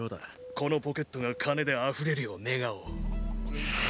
このポケットが金であふれるよう願おう。